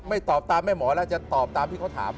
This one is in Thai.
ตอบตามแม่หมอแล้วจะตอบตามที่เขาถาม